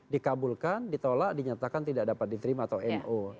dikabulkan ditolak dinyatakan tidak dapat diterima atau no